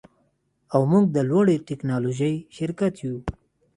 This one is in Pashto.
او موږ د لوړې ټیکنالوژۍ شرکت یو